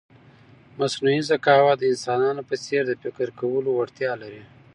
مصنوعي ذکاوت د انسانانو په څېر د فکر کولو وړتیا لري.